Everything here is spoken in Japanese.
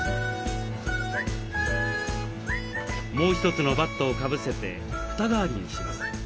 もう一つのバットをかぶせて蓋代わりにします。